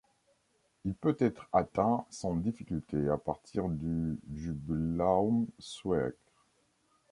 Il peut être atteint sans difficulté à partir du Jubiläumsweg.